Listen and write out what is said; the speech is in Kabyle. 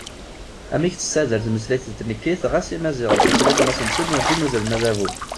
Amek tessader tmeslayt d tnekkit ɣas Imaziɣen, si tallit n Masnsen, urǧin uzren adabu!